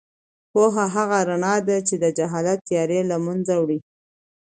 پوهه هغه رڼا ده چې د جهالت تیارې له منځه وړي.